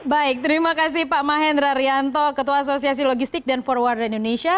baik terima kasih pak mahendra rianto ketua asosiasi logistik dan forwarder indonesia